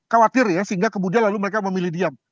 khawatir ya sehingga kemudian lalu mereka memilih diam